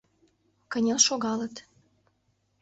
Кынел шогалыт.